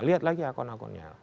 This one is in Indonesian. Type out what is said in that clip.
lihat lagi akun akunnya